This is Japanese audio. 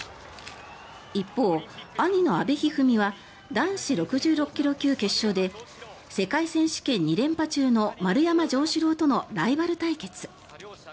一方、兄の阿部一二三は男子６６ｋｇ級決勝で世界選手権２連覇中の丸山城志郎とのライバル対決。